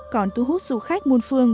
còn thu hút du khách muôn phương